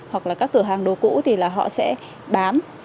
hoặc là các cửa hàng đồ cũ thì là họ sẽ bán